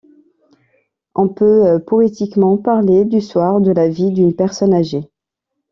On peut poétiquement parler du soir de la vie d'une personne âgée.